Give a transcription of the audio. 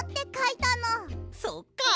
そっか！